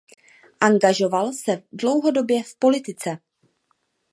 Angažoval se dlouhodobě v politice.